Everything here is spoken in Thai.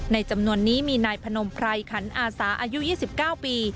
จำนวนนี้มีนายพนมไพรขันอาสาอายุ๒๙ปี